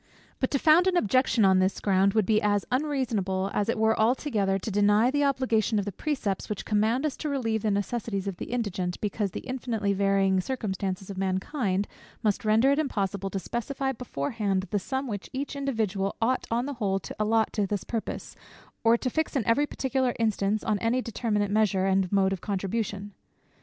But, to found an objection on this ground, would be as unreasonable as it were altogether to deny the obligation of the precepts, which command us to relieve the necessities of the indigent, because the infinitely varying circumstances of mankind must render it impossible to specify beforehand the sum which each individual ought on the whole to allot to this purpose, or to fix in every particular instance, on any determinate measure, and mode of contribution.